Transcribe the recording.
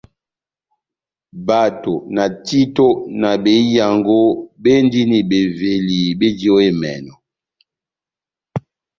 Bato, na títo, na behiyango béndini beveli béji ó emɛnɔ.